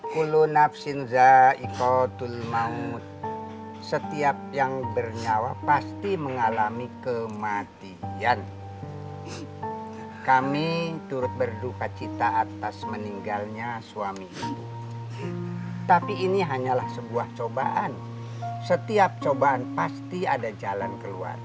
kulu nafsinza ikotul maut setiap yang bernyawa pasti mengalami kematian kami turut berduka cita atas meninggalnya suami ibu tapi ini hanyalah sebuah cobaan setiap cobaan pasti ada jalan keluarga